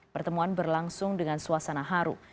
pertemuan berlangsung dengan suasana haru